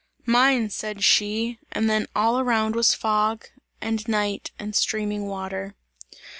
"Mine!" said she, and then all around was fog and night and streaming water.